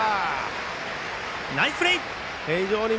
ナイスプレー。